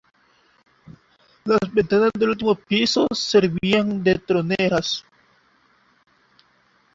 Las ventanas del último piso servían de troneras.